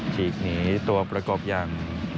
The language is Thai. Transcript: ฉีกหนีตัวประกบอย่าง